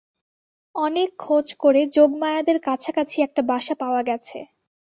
অনেক খোঁজ করে যোগমায়াদের কাছাকাছি একটা বাসা পাওয়া গেছে।